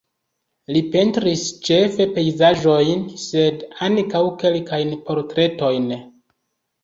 Li pentris ĉefe pejzaĝojn sed ankaŭ kelkajn portretojn.